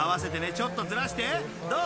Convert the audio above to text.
ちょっとずらしてどう⁉］